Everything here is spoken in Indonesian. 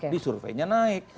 di surveinya naik